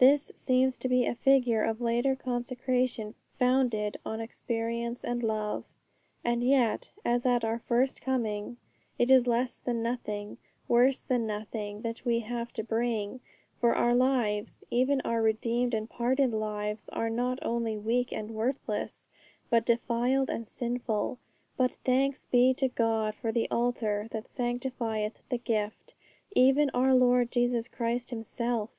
This seems to be a figure of later consecration founded on experience and love. And yet, as at our first coming, it is less than nothing, worse than nothing that we have to bring; for our lives, even our redeemed and pardoned lives, are not only weak and worthless, but defiled and sinful. But thanks be to God for the Altar that sanctifieth the gift, even our Lord Jesus Christ Himself!